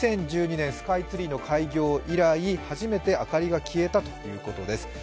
２０１２年スカイツリーの開業以来初めて明かりが消えたということです。